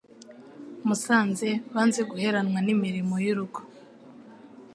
Musanze Banze guheranwa n'imirimo y'urugo